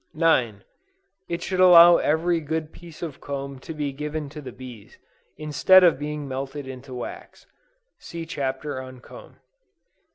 9. It should allow every good piece of comb to be given to the bees, instead of being melted into wax. (See Chapter on Comb.)